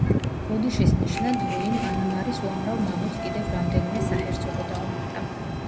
ბოდიშის ნიშნად ლუიმ ანა მარის უამრავ მამულს კიდევ რამდენიმე საჰერცოგო დაუმატა.